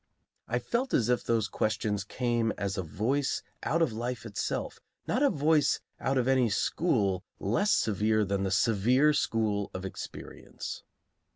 I felt as if those questions came as a voice out of life itself, not a voice out of any school less severe than the severe school of experience.